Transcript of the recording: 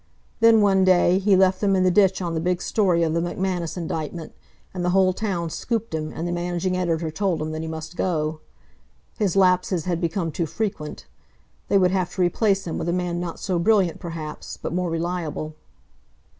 Then, one day, he left them in the ditch on the big story of the McManus indictment, and the whole town scooped him, and the managing editor told him that he must go. His lapses had become too frequent. They would have to replace him with a man not so brilliant, perhaps, but more reliable.